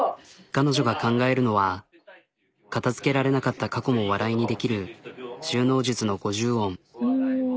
彼女が考えるのは片づけられなかった過去も笑いにできる収納術の五十音。